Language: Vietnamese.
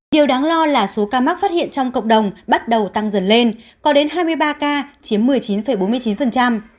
điều đáng lo là số ca mắc phát hiện trong cộng đồng bắt đầu tăng dần lên có đến hai mươi ba ca chiếm một mươi chín bốn mươi chín